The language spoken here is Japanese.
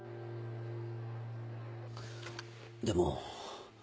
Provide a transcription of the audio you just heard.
でも。